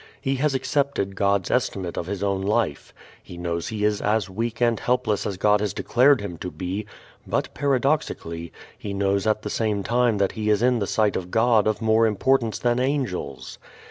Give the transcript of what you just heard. He has accepted God's estimate of his own life. He knows he is as weak and helpless as God has declared him to be, but paradoxically, he knows at the same time that he is in the sight of God of more importance than angels.